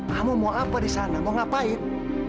kamu mau apa di sana mau ngapain